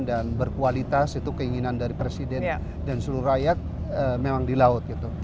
berkualitas itu keinginan dari presiden dan seluruh rakyat memang di laut gitu